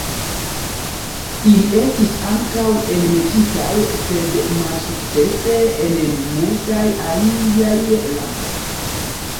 Ili estis ankaŭ enmetitaj sed malsukcese en multaj aliaj landoj.